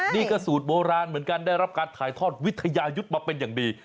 นี่ก็สูตรโบราณเหมือนกันได้รับการถ่ายทอดวิทยายุทธ์มาเป็นอย่างดี